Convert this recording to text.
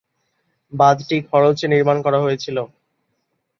বাঁধটি খরচে নির্মাণ করা হয়েছিল।